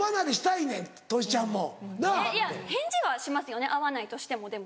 いや返事はしますよね会わないとしてもでも。